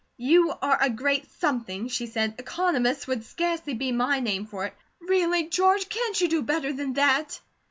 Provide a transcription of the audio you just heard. "You are a great something," she said. "'Economist' would scarcely be my name for it. Really, George, can't you do better than that?"